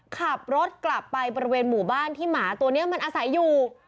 ขับรถกลับไปบริเวณหมู่บ้านที่หมาตัวนี้มันอาศัยอยู่